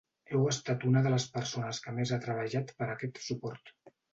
Heu estat una de les persones que més ha treballat per aquest suport.